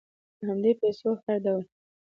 په همدې پیسو هر ډول